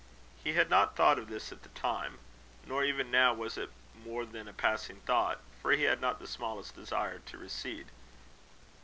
He had not thought of this at the time. Nor, even now, was it more than a passing thought; for he had not the smallest desire to recede.